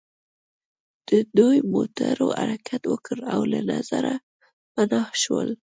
د دوی موټرو حرکت وکړ او له نظره پناه شول